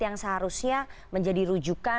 yang seharusnya menjadi rujuk